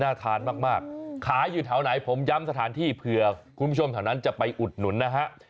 ทานมากขายอยู่แถวไหนผมย้ำสถานที่เผื่อคุณผู้ชมแถวนั้นจะไปอุดหนุนนะฮะ